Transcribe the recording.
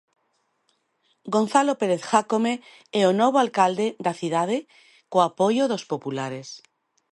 Gonzalo Pérez Jácome é o novo alcalde da cidade co apoio dos populares.